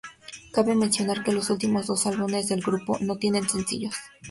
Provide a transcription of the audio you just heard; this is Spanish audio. Cabe mencionar que los últimos dos álbumes del grupo no tienen sencillos.